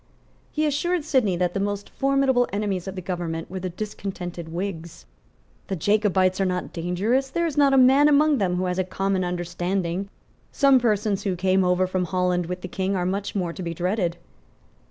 He assured Sidney that the most formidable enemies of the government were the discontented Whigs. "The Jacobites are not dangerous. There is not a man among them who has common understanding. Some persons who came over from Holland with the King are much more to be dreaded."